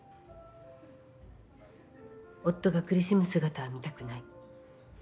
夫が苦しむ姿は見たくない。